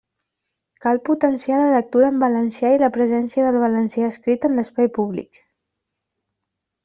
Cal potenciar la lectura en valencià i la presència del valencià escrit en l'espai públic.